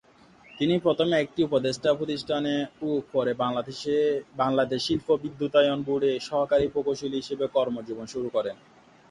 তিনি প্রথমে একটি উপদেষ্টা প্রতিষ্ঠানে ও পরে বাংলাদেশ পল্লী বিদ্যুতায়ন বোর্ডে সহকারী প্রকৌশলী হিসাবে কর্ম জীবন শুরু করেন।